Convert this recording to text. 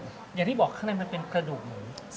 อย่างที่บอกข้างในมันเป็นกระดูกหมู